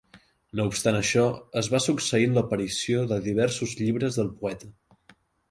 No obstant això, es va succeint l'aparició de diversos llibres del poeta.